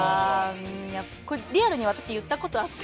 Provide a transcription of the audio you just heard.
リアルに私、言ったことあって。